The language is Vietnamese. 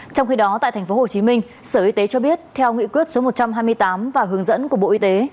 trong khi đó tại tp hcm sở y tế cho biết theo nghị quyết số một trăm hai mươi tám và hướng dẫn của bộ y tế